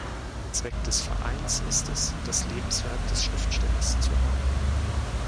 Zweck des Vereins ist es, das Lebenswerk des Schriftstellers zu erhalten.